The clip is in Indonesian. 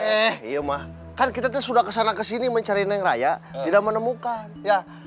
eh iya mah kan kita sudah kesana kesini mencari neng raya tidak menemukan ya